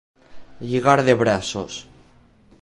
Lligar de braços.